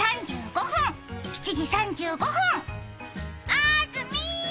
あーずみ。